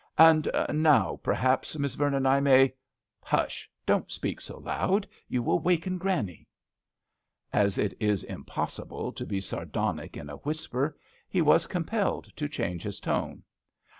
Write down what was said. And now perhaps, Miss Ver non, I may "Hush I don't speak so loud ; you will waken Granny." As it is impossible to be sar donic in a whisper he was com pelled to change his tone.